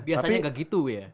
biasanya gak gitu ya